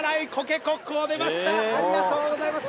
ありがとうございます。